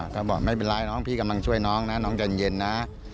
ก็บอกไม่เป็นไรน้องพี่กำลังช่วยน้องนะน้องใจเย็นนะ